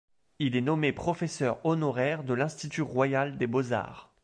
Il est nommé professeur honoraire de l'Institut royal des beaux-arts.